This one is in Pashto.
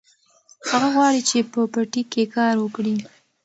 هغه غواړي چې په پټي کې کار وکړي.